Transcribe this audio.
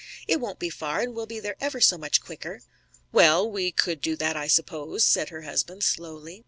It won't be far, and we'll be there ever so much quicker." "Well, we could do that, I suppose," said her husband, slowly.